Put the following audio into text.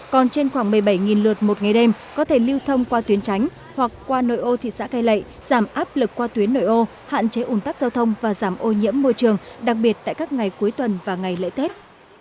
còn trên khoảng một mươi bảy lượt một ngày đêm có thể lưu thông qua tuyến tránh hoặc qua nội ô thị xã cây lệ giảm áp lực qua tuyến nội ô hạn chế ủn tắc giao thông và giảm ô nhiễm môi trường đặc biệt tại các ngày cuối tuần và ngày lễ tết